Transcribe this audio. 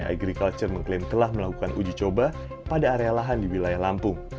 agriculture mengklaim telah melakukan uji coba pada area lahan di wilayah lampung